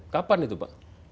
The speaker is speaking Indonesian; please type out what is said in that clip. kapan itu pak